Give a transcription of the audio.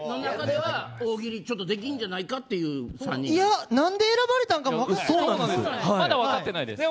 大喜利ちょっとできるんじゃないかっていう何で選ばれたんか分からない。